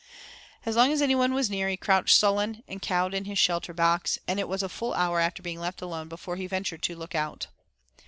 As long as anyone was near he crouched sullen and cowed in his shelter box, and it was a full hour after being left alone before he ventured to look out.